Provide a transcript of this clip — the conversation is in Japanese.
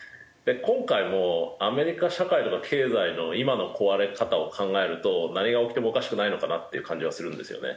今回もアメリカ社会とか経済の今の壊れ方を考えると何が起きてもおかしくないのかなっていう感じはするんですよね。